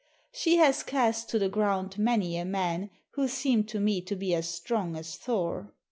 She has cast to the ground many a man who seemed to me to be as strong as Thor."